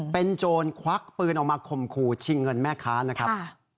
เป็นโจรควักปืนออกมาข่มขู่ชิงเงินแม่ค้านะครับ